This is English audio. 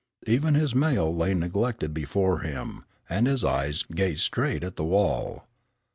Even his mail lay neglected before him, and his eyes gazed straight at the wall.